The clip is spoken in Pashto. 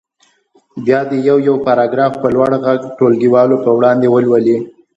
بیا دې یو یو پاراګراف په لوړ غږ ټولګیوالو په وړاندې ولولي.